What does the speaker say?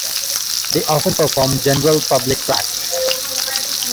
They often perform General Public tracks.